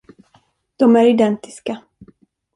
De är identiska.